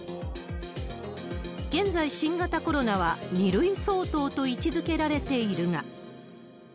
現在、新型コロナは２類相当と位置づけられているが。